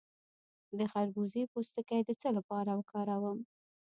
د خربوزې پوستکی د څه لپاره وکاروم؟